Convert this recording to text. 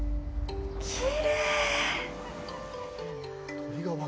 きれい。